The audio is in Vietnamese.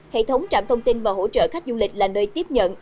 hệ thống trạm thông tin và hỗ trợ khách du lịch là nơi tiếp nhận